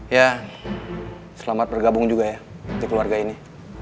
ya selamat bergabung juga ya di keluarga ini